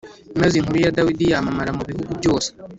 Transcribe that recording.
Maze inkuru ya Dawidi yamamara mu bihugu byose